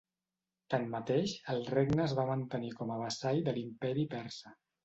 Tanmateix, el regne es va mantenir com a vassall de l'Imperi persa.